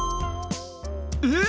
えっ！